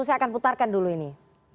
saya akan putarkan dulu ini